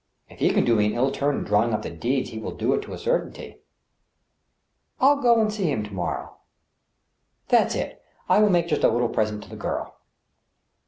If he can do me an ill turn in drawing up the deeds, he will do it to a certainty. ... I'll go and see him to morrow. That's it I I will make just a little present to the child."